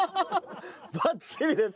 バッチリです。